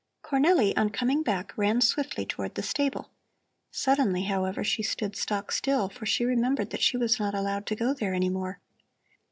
Cornelli, on coming back, ran swiftly toward the stable. Suddenly, however, she stood stock still, for she remembered that she was not allowed to go there any more.